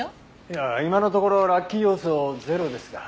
いや今のところラッキー要素ゼロですが。